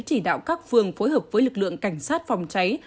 chỉ đạo các phường phối hợp với lực lượng cảnh sát phòng cháy